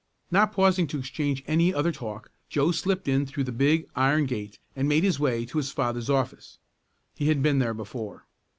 Not pausing to exchange any other talk, Joe slipped in through the big iron gate and made his way to his father's office. He had been there before.